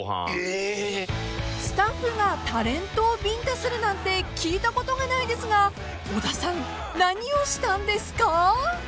［スタッフがタレントをビンタするなんて聞いたことがないですが小田さん何をしたんですか？］